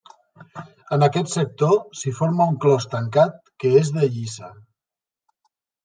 En aquest sector s'hi forma un clos tancat que és de lliça.